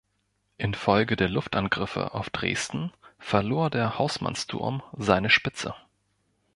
Infolge der Luftangriffe auf Dresden verlor der Hausmannsturm seine Spitze.